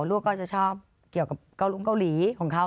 ลูกก็จะชอบเกี่ยวกับเกาลงเกาหลีของเขา